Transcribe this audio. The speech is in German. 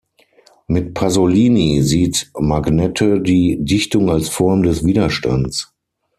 Mit Pasolini sieht Magnette die Dichtung als Form des Widerstands.